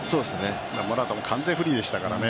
モラタは完全フリーでしたからね。